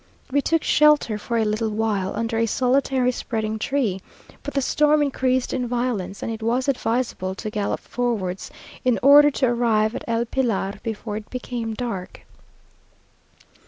We took shelter for a little while under a solitary spreading tree, but the storm increased in violence, and it was advisable to gallop forwards, in order to arrive at El Pilar before it became dark.